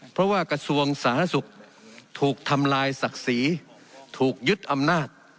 เพราะว่ากระทรวงสาธารณสุขถูกทำลายศักดิ์ศรีถูกยึดอำนาจ